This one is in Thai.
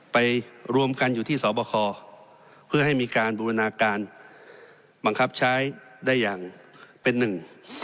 ไปรวมกันอยู่ที่สบคเพื่อให้มีการบูรณาการบังคับใช้ได้อย่างเป็นหนึ่ง